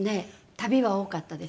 旅は多かったですね。